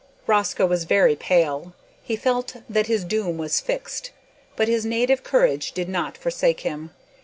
Rosco was very pale. He felt that his doom was fixed; but his native courage did not forsake him.